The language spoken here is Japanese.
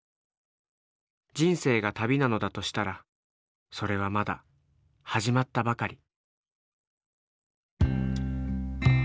人生が旅なのだとしたらそれはまだ始まったばかり。